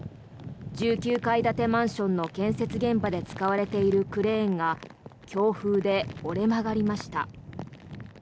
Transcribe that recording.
１９階建てマンションの建設現場で使われているクレーンが強風で折れ曲がりました。